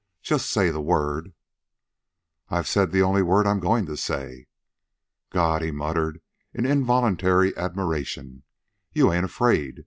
Just say the word " "I've said the only word I'm going to say." "God!" he muttered in involuntary admiration. "You ain't afraid.